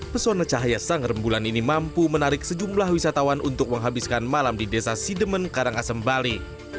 pesona cahaya sang rembulan ini mampu menarik sejumlah wisatawan untuk menghabiskan malam di desa sidemen karangasem bali